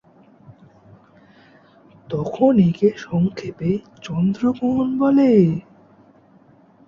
তখন একে সংক্ষেপে চন্দ্রগ্রহণ বলে।